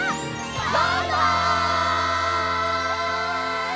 バイバイ！